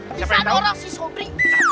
bisa atau tidak sih sobri